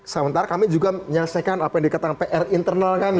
sementara kami juga menyelesaikan apa yang dikatakan pr internal kami